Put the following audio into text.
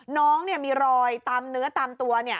น้องเนี่ยมีรอยตามเนื้อตามตัวเนี่ย